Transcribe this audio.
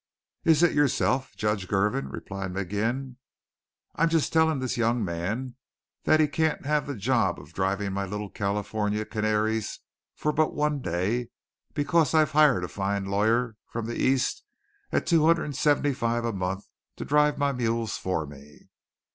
"Is it yourself, Judge Girvin?" replied McGlynn, "I'm just telling this young man that he can't have the job of driving my little California canaries for but one day because I've hired a fine lawyer from the East at two hundred and seventy five a month to drive my mules for me."